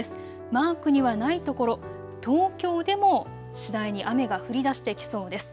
マークにはないところ、東京でも次第に雨が降りだしてきそうです。